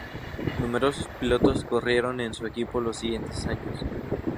Numerosos pilotos corrieron en su equipo los siguientes años.